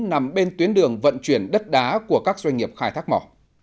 nằm bên tuyến đường vận chuyển đất đá của các doanh nghiệp khai thác mỏ